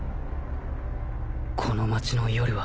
この街の夜は